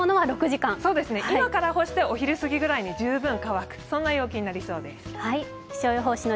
今から干してお昼過ぎぐらいに乾く感じになりそうです。